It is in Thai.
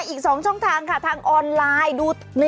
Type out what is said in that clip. อีก๒ช่องทางค่ะทางออนไลน์ดู